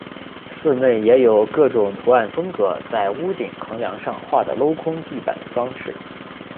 寺内也有各种图案风格和在屋顶横梁上画的镂空地板的装饰。